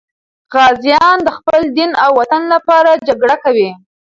غازیان د خپل دین او وطن لپاره جګړه کوي.